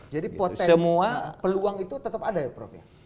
jadi peluang itu tetap ada ya prof ya